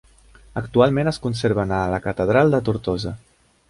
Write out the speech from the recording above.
Actualment es conserven a la catedral de Tortosa.